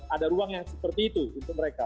ada ruang yang seperti itu untuk mereka